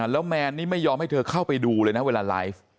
แล้วแมนนี่ไม่ยอมให้เธอเข้าไปดูเลยนะเวลาไลฟ์